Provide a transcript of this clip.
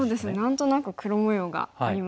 何となく黒模様がありますね。